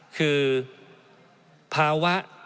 คือภาวะ